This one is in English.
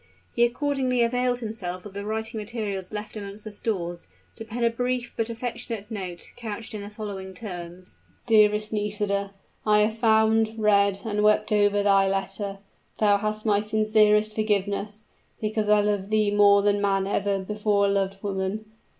He accordingly availed himself of the writing materials left amongst the stores, to pen a brief but affectionate note, couched in the following terms: "DEAREST NISIDA, I have found, read, and wept over thy letter. Thou hast my sincerest forgiveness, because I love thee more than man ever before loved woman.